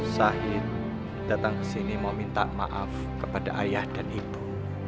said datang kesini mau minta maaf kepada ayah dan ibu